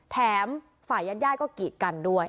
แถมฝ่ายญาติก็กีดกันด้วย